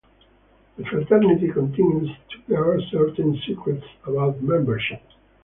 The fraternity continues to guard certain secrets about membership.